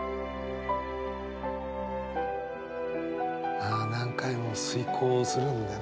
ああ何回も推こうするんだね。